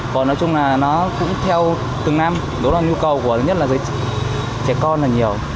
còn nói chung là nó cũng theo từng năm đó là nhu cầu của thứ nhất là giới trẻ con là nhiều